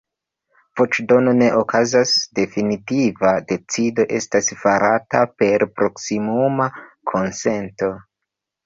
Voĉdono ne okazas, definitiva decido estas farata per proksimuma konsento.